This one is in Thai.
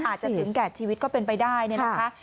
ถึงแก่ชีวิตก็เป็นไปได้เนี่ยนะคะ